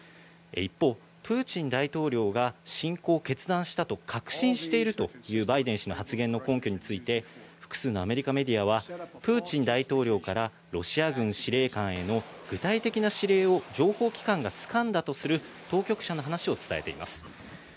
一方、プーチン大統領が侵攻を決断したと確信しているというバイデン氏の発言の根拠について、複数のアメリカメディアはプーチン大統領からロシア軍司令官への具体的な指令を情報機関がつかんだとする、当局者の話を伝えています。